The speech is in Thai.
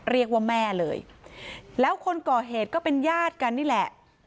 เรียกว่าแม่เลยแล้วคนก่อเหตุก็เป็นญาติกันนี่แหละ